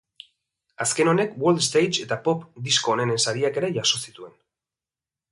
Azken honek world stage eta pop disko onenen sariak ere jaso zituen.